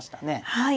はい。